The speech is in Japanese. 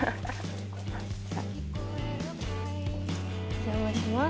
お邪魔します。